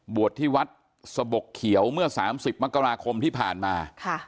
บวชที่วัดสะบกเขียวเมื่อ๓๐มกราคมที่ผ่านมา